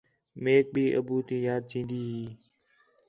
میک بھی ابو تی یاد چین٘دی ہی